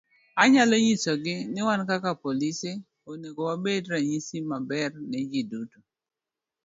Anyalo nyisogi ni wan kaka polise onego wabed ranyisi maber ne ji duto.